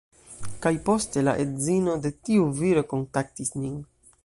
Kaj poste la edzino de tiu viro kontaktis nin